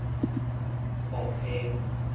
薄被